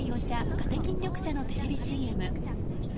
カテキン緑茶のテレビＣＭ。